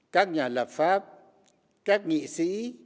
các nhà lập pháp các nghị sĩ